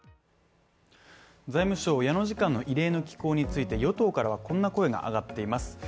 財務省矢野次官の異例の寄稿について与党からはこんな声が上がっています。